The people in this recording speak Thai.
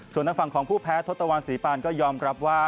ส่วนทางฝั่งของผู้แพ้ทศตวรรษีปานก็ยอมรับว่า